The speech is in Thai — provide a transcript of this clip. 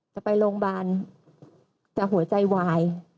จะไปโรงปุ่นจะหัวใจไหว